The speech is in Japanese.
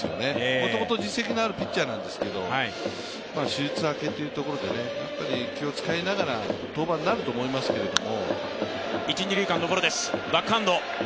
もともと実績のあるピッチャーなんですけれども、手術明けというところで気を使いながらの登板になると思いますけれども。